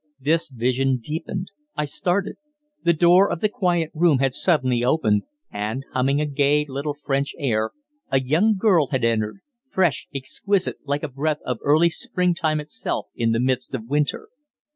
This vision deepened. I started. The door of the quiet room had suddenly opened, and, humming a gay little French air, a young girl had entered fresh, exquisite, like a breath of early Springtime itself in the midst of Winter.